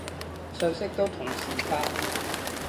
信息都同時發